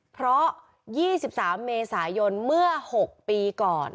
เพราะ๒๓เมษายนเมื่อ๖ปีก่อน